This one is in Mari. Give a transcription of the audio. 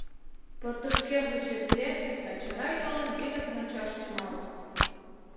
Портышкем гычет лек да чара йолын вигак мончаш чымалт.